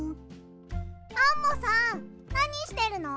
アンモさんなにしてるの？